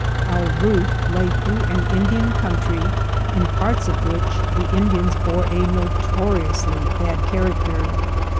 Our route lay through an Indian country, in parts of which the Indians bore a notoriously bad character.